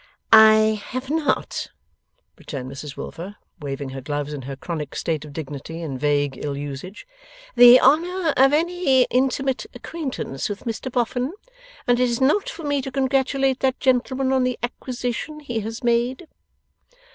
'I have not,' returned Mrs Wilfer, waving her gloves in her chronic state of dignity, and vague ill usage, 'the honour of any intimate acquaintance with Mr Boffin, and it is not for me to congratulate that gentleman on the acquisition he has made.